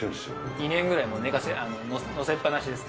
２年ぐらい載せっぱなしです。